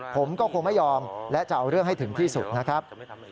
ผมก็คงไม่ยอมและจะเอาเรื่องให้ถึงที่สุดนะครับ